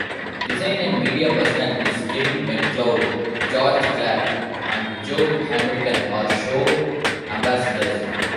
Design and media personalities Kevin McCloud, George Clarke and Jo Hamilton are show ambassadors.